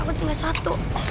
aku tinggal satu